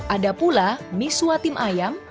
ada pula misua tim ayam